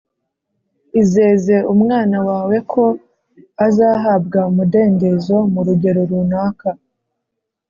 izeze umwana wawe ko azahabwa umudendezo mu rugero runaka